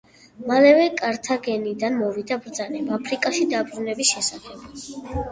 მალევე კართაგენიდან მოვიდა ბრძანება აფრიკაში დაბრუნების შესახებ.